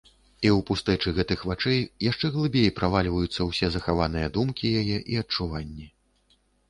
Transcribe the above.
І ў пустэчы гэтых вачэй яшчэ глыбей правальваюцца ўсе захаваныя думкі яе і адчуванні.